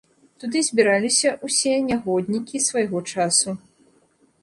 Туды збіраліся ўсе нягоднікі свайго часу.